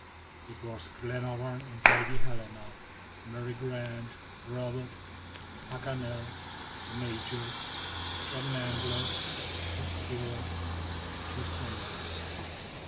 It was Glenarvan and Lady Helena, Mary Grant, Robert, Paganel, the Major, John Mangles, the steward, and the two sailors.